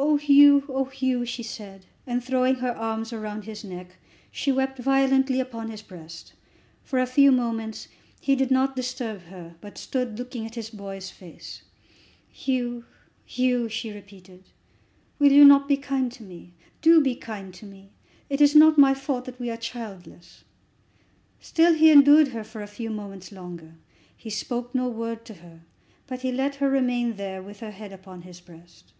"Oh, Hugh! oh, Hugh!" she said, and, throwing her arms round his neck, she wept violently upon his breast. For a few moments he did not disturb her, but stood looking at his boy's face. "Hugh, Hugh," she repeated, "will you not be kind to me? Do be kind to me. It is not my fault that we are childless." Still he endured her for a few moments longer. He spoke no word to her, but he let her remain there, with her head upon his breast.